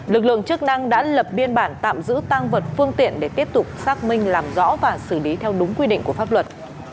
lực lượng chức năng đã lập biên bản tạm giữ tăng vật phương tiện để tiếp tục xác minh làm rõ và xử lý theo đúng quy định của pháp luật